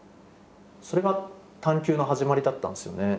それが探求の始まりだったんですよね。